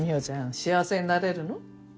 幸せになれるの？